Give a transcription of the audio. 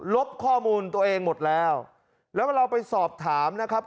ลบข้อมูลตัวเองหมดแล้วแล้วก็เราไปสอบถามนะครับ